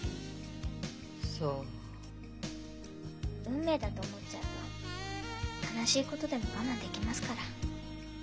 「運命」だと思っちゃうと悲しいことでも我慢できますから。